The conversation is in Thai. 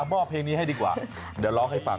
มอบเพลงนี้ให้ดีกว่าเดี๋ยวร้องให้ฟัง